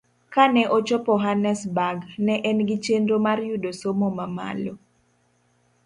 Kane ochopo Hannesburg, ne en gi chenro mar yudo somo mamalo